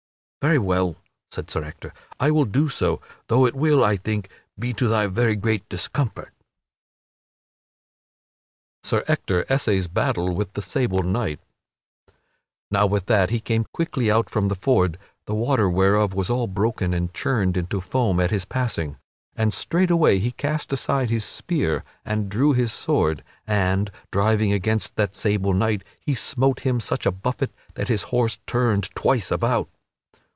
"Very well," said Sir Ector, "I will do so, though it will, I think, be to thy very great discomfort." [Sidenote: Sir Ector essays battle with the sable knight] With that he came quickly out from the ford, the water whereof was all broken and churned into foam at his passing, and straightway he cast aside his spear and drew his sword and, driving against that sable knight, he smote him such a buffet that his horse turned twice about.